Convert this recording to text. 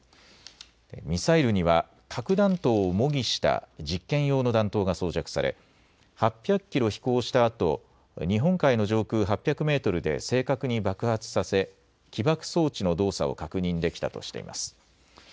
ミサイルには核弾頭を模擬した実験用の弾頭が装着され８００キロ飛行したあと日本海の上空８００メートルで正確に爆発させ起爆装置の動作を確認できたとしています。